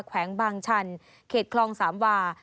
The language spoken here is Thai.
แขวงบางชันเขตคลองสามวา